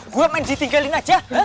gue main jitinggalin aja